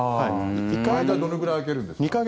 間はどのぐらい空けるんですか？